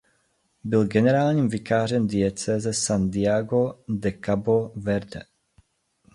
Byl generálním vikářem diecéze Santiago de Cabo Verde.